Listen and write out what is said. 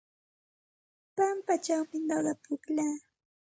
Pampachawmi nuqa pukllaa.